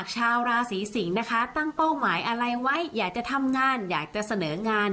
ชาวราศีสิงศ์นะคะตั้งเป้าหมายอะไรไว้อยากจะทำงานอยากจะเสนองาน